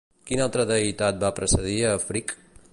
Quina altra deïtat va precedir a Frigg?